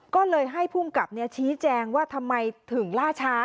ก็เลยให้ภูมิกับชี้แจงว่าทำไมถึงล่าช้า